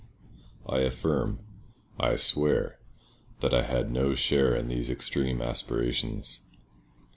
I affirm—I swear—that I had no share in these extreme aspirations.